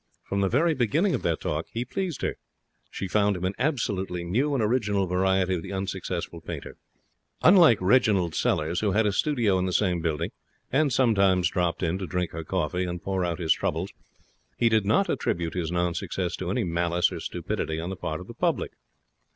From the very beginning of their talk he pleased her. She found him an absolutely new and original variety of the unsuccessful painter. Unlike Reginald Sellers, who had a studio in the same building, and sometimes dropped in to drink her coffee and pour out his troubles, he did not attribute his non success to any malice or stupidity on the part of the public.